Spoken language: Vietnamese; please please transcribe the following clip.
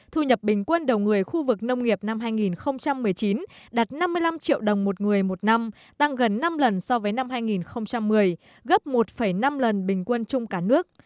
thu nhập bình quân đầu người khu vực nông nghiệp năm hai nghìn một mươi chín đạt năm mươi năm triệu đồng một người một năm tăng gần năm lần so với năm hai nghìn một mươi gấp một năm lần bình quân chung cả nước